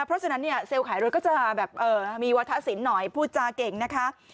เพราะฉะนั้นเนี่ยเซลล์ขายรถก็จะแบบมีวาทะสินหน่อยพูดจาเก่งนะคะ